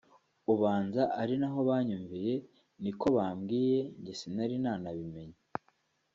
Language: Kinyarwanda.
ubanza ari naho banyumviye niko babwiye njye sinari nanabimenye